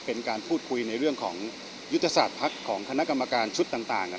เป็นการพูดคุยในเรื่องของยุทธศาสตร์พักของคณะกรรมการชุดต่าง